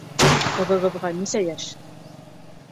Ҡыҙығыҙға нисә йәш?